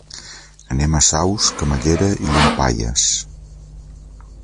Anem a Saus, Camallera i Llampaies.